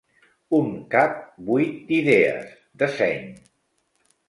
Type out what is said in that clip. Un cap buit d'idees, de seny.